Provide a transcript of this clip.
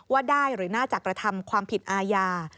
ว่าได้หรือน่าจะกระทำความผิดอาญา